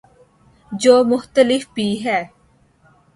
جو مختلف بھی ہیں